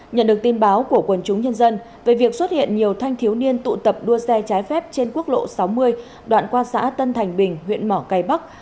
nhận được tin báo của quần chúng nhân dân về việc xuất hiện nhiều thanh thiếu niên tụ tập đua xe trái phép trên quốc lộ sáu mươi đoạn qua xã tân thành bình huyện mỏ cây bắc